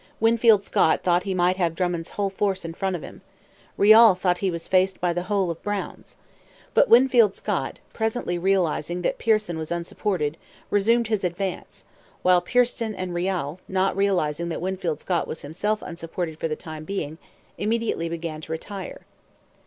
Winfield Scott thought he might have Drummond's whole force in front of him. Riall thought he was faced by the whole of Brown's. But Winfield Scott, presently realizing that Pearson was unsupported, resumed his advance; while Pearson and Riall, not realizing that Winfield Scott was himself unsupported for the time being, immediately began to retire.